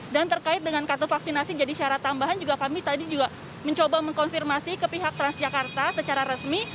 dan terkait dengan kartu vaksinasi jadi syarat tambahan juga kami tadi juga mencoba mengonfirmasi ke pihak transjakarta secara resmi